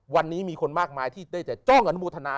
วันนี้มีคนมากมายที่ได้แต่จ้องอนุโมทนา